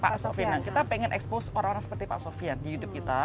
pak sofian kita pengen expose orang orang seperti pak sofian di hidup kita